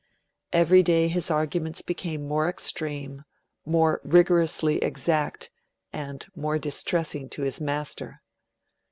Every day his arguments became more extreme, more rigorously exact, and more distressing to his master.